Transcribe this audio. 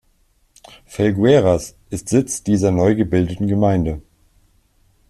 Felgueiras ist Sitz dieser neu gebildeten Gemeinde.